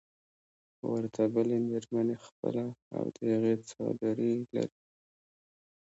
ورته بلې مېرمنې خپله او د هغې څادري لرې کړه.